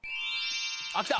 あっきた。